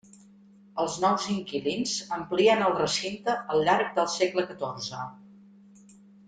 Els nous inquilins amplien el recinte al llarg del segle xiv.